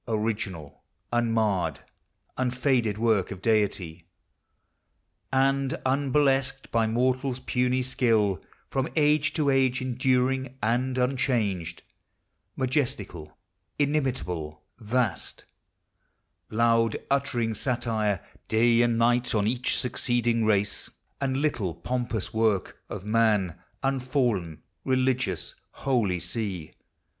original, Uninarred, unfaded work of Deity ! And unburlesqued by mortal's puny skill ; From age to age enduring, and unchanged, Majestical, inimitable, vast, Loud uttering satire, day and night, on each Succeeding race, and little pompous work Of man; unfallen, religious, holy sea!